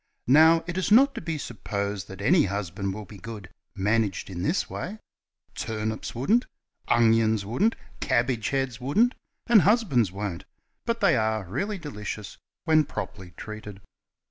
Now it is not to be supposed that any husband will be good, managed in this way turnips wouldn't; 10 How To Cook Husbands. onions wouldn't ; cabbage heads wouldn't, and husbands won't; but they are really delicious when properly treated.